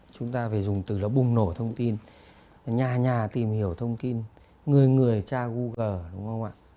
chúng ta phải dùng từ đó bùng nổ thông tin nhà nhà tìm hiểu thông tin người người cha google đúng không ạ